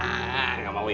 anak pinter gak mau ini ya